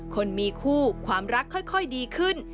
คนมีคู่ความรักค่อยดีขึ้น